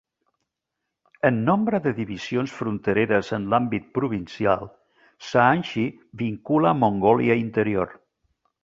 En nombre de divisions frontereres en l'àmbit provincial, Shaanxi vincula Mongòlia Interior.